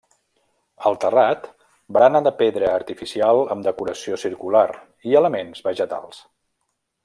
Al terrat, barana de pedra artificial amb decoració circular i elements vegetals.